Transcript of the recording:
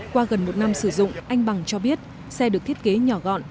qua gần một năm sử dụng anh bằng cho biết xe được thiết kế nhỏ gọn